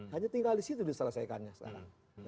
hanya tinggal disitu diselesaikannya sekarang